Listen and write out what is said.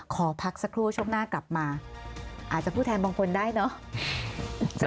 ขอพักสักครู่ช่วงหน้ากลับมาอาจจะพูดแทนบางคนได้เนอะ